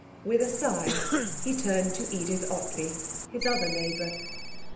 With a sigh he turned to Edith Ottley, his other neighbour.